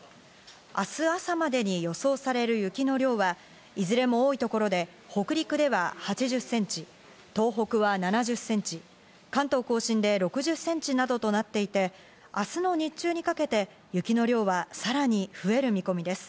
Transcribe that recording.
明日朝までに予想される雪の量はいずれも多い所で北陸では８０ｃｍ、東北は７０ｃｍ、関東甲信で６０センチなどとなっていて、明日の日中にかけて、雪の量はさらに増える見込みです。